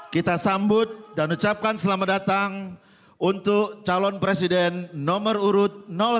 kita sambut dan ucapkan selamat datang untuk calon presiden nomor urut satu